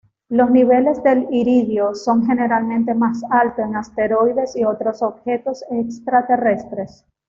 Los niveles del iridio son generalmente más altos en asteroides y otros objetos extraterrestres.